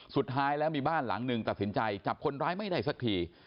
สุดท้ายแล้วมีบ้านหลังหนึ่งตัดสินใจจับคนร้ายไม่ได้สักที